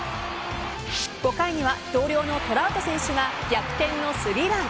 ５回には同僚のトラウト選手が逆転の３ラン。